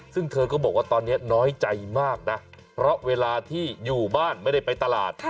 ซึ่งเธอก็บอกว่าตอนนี้น้อยใจมากนะเพราะเวลาที่อยู่บ้านไม่ได้ไปตลาด